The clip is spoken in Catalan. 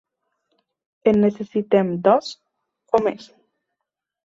En necessitem dos, o més.